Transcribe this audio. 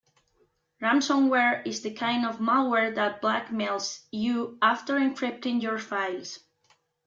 Ransomware is the kind of malware that blackmails you after encrypting your files.